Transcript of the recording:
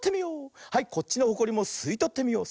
はいこっちのホコリもすいとってみよう。